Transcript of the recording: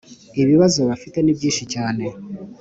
ibibazo bafite ni byinshi cyane